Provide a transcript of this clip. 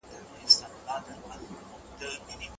سرلوړي یوازي د اسلام په غېږ کي ده.